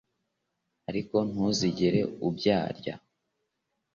ariko ntuzigere ubyarya